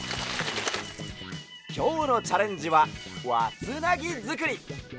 きょうのチャレンジはわつなぎづくり！